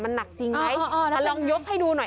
มันหนักจริงไหมถ้าลองยกให้ดูหน่อย